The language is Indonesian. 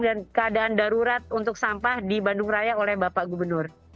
dan keadaan darurat untuk sampah di bandung raya oleh bapak gubernur